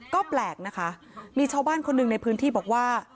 ก็แปลกนะคะมีชาวบ้านคนหนึ่งในพื้นที่บอกว่า